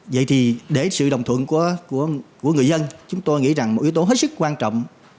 vậy thì để sự đồng thuận của người dân chúng tôi nghĩ rằng một yếu tố hết sức quan trọng